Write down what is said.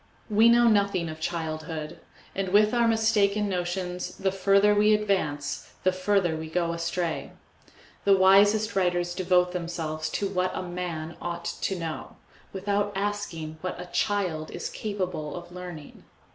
We know nothing of childhood; and with our mistaken notions the further we advance the further we go astray. The wisest writers devote themselves to what a man ought to know, without asking what a child is capable of learning.